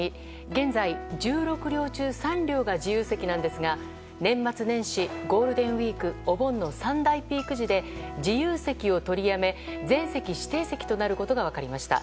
現在、１６両中３両が自由席なんですが年末年始、ゴールデンウィークお盆の３大ピーク期で自由席を取りやめ全席指定席となることが分かりました。